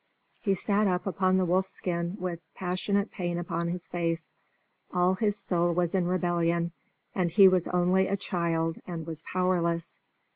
He sat up upon the wolfskin with passionate pain upon his face; all his soul was in rebellion, and he was only a child and was powerless.